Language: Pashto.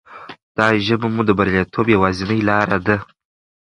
دا ژبه مو د بریالیتوب یوازینۍ لاره ده.